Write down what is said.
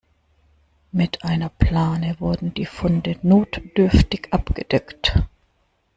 Mit einer Plane wurden die Funde notdürftig abgedeckt.